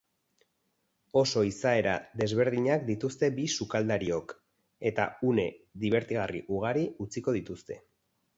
Oso izaera desberdinak dituzte bi sukaldariok, eta une dibertigarri ugari utziko dituzte.